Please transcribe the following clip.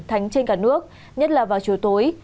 thánh trên cả nước nhất là vào chiều tối